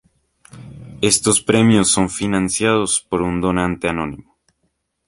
Estos premios son financiados por un donante anónimo.